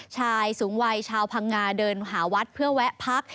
ชายสูงวัยชาวพังงาเดินหาวัดเพื่อแวะพัก